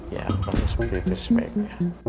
ya persis begitu sih baiknya